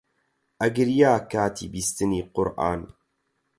ئەگریا کاتی بیستنی قورئان